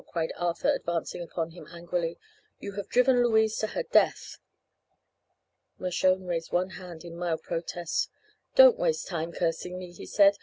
cried Arthur, advancing upon him angrily. "You have driven Louise to her death!" Mershone raised one hand in mild protest. "Don't waste time cursing me," he said.